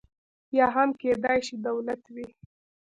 یا هم کېدای شي دولت وي.